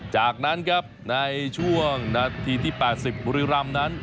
จากนั้นครับในช่วงนาทีที่๘๐บุรีรำนั้น